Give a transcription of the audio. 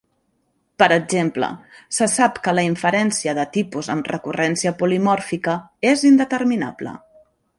Per exemple, se sap que la inferència de tipus amb recurrència polimòrfica és indeterminable.